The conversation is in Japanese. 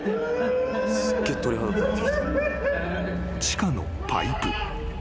・［地下のパイプ。